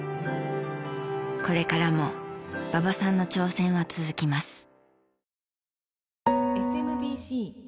これからも馬場さんの挑戦は続きます。